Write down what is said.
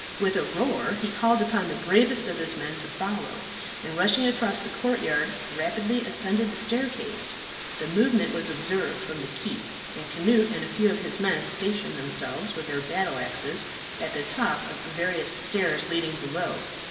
With a roar he called upon the bravest of his men to follow, and rushing across the courtyard, rapidly ascended the staircase. The movement was observed from the keep, and Cnut and a few of his men, stationed themselves with their battle axes at the top of various stairs leading below.